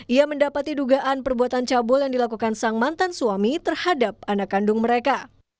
ia mendapati dugaan perbuatan cabul yang dilakukan sang mantan suami terhadap anak kandung mereka